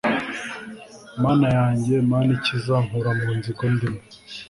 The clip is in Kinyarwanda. mana yanjye, mana ikiza, nkura mu nzigo ndimo